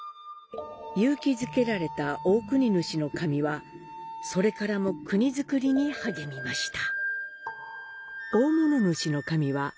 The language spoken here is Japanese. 勇気づけられた大国主神は、それからも国造りに励みました。